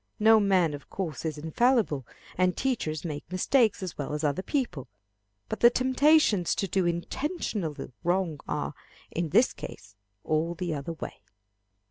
No man of course is infallible, and teachers make mistakes as well as other people. But the temptations to do intentional wrong are, in this case, all the other way.